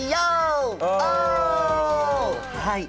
はい。